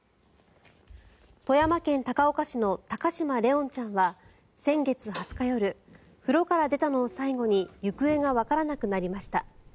富山県高岡市の高嶋怜音ちゃんは先月２０日夜風呂から出たのを最後に行方がわからなくなりました。